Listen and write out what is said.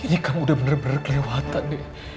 ini kamu udah benar benar kelewatan nih